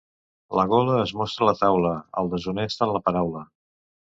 La gola es mostra a la taula; el deshonest, en la paraula.